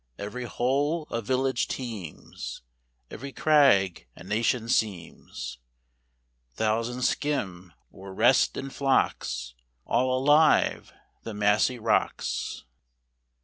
Every hole a village teems; Every crag a nation seems; Thousands skim, or rest in flocks : All alive the massy rocks.